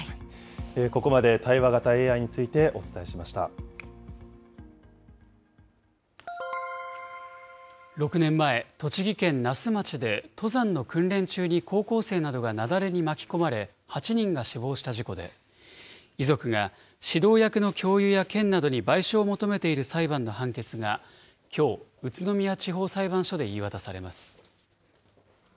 ここまで、対話型ＡＩについてお６年前、栃木県那須町で、登山の訓練中に高校生などが雪崩に巻き込まれ、８人が死亡した事故で、遺族が、指導役の教諭や県などに賠償を求めている裁判の判決が、きょう、宇都宮地方裁判所で言い渡されます。